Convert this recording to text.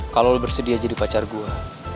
kalau lo bersedia jadi pacar gue